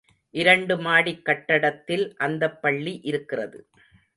இரண்டு மாடிக் கட்டடத்தில் அந்தப்பள்ளி இருக்கிறது.